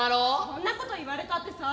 「そんなこと言われたってさ」。